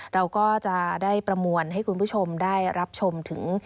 เราก็จะได้ประมวลให้คุณผู้ชมได้รับชมถึง